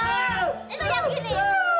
itu yang gini